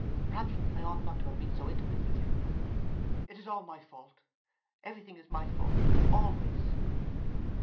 Perhaps I ought not to have been so intimate with you. It is all my fault. Everything is my fault always!"